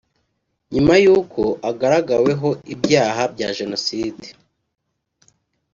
nyuma y’uko agaragaweho ibyaha bya Jenoside